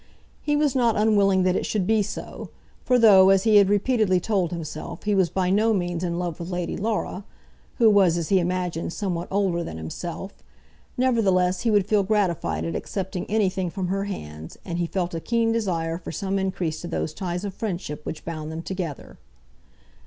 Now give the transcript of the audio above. He was not unwilling that it should be so; for though, as he had repeatedly told himself, he was by no means in love with Lady Laura, who was, as he imagined, somewhat older than himself, nevertheless, he would feel gratified at accepting anything from her hands, and he felt a keen desire for some increase to those ties of friendship which bound them together.